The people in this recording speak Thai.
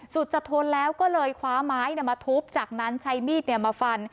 สุดจะทนแล้วก็เลยคว้าไม้มาทุบจากนั้นใช้มีดมาฟัน